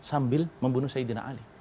sambil membunuh sayyidina ali